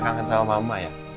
kangen sama mama ya